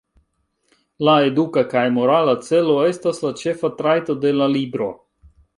La eduka kaj morala celo estas la ĉefa trajto de la libro.